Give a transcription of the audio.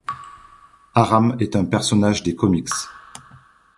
Haram est un personnage des comics.